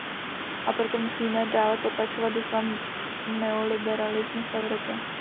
A proto musíme dále potlačovat ducha neoliberalismu v Evropě.